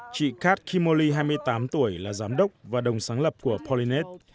chị kat kimoli hai mươi tám tuổi là giám đốc và đồng sáng lập của polynet